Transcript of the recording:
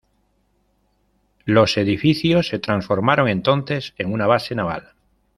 Los edificios se transformaron entonces en una base naval.